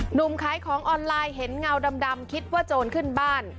หนุ่มขายของออนไลน์เห็นเงาดำคิดว่าโจรขึ้นบ้าน